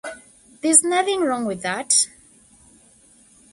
There's nothing wrong with that.